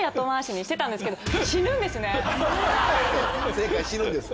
正解死ぬんです。